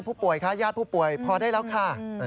ผู้ป่วยคะญาติผู้ป่วยพอได้แล้วค่ะ